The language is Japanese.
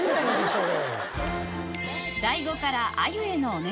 それ。